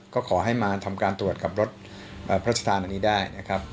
ก็ขอให้มาทำการตรวจกับรถพระศทานอันนี้ได้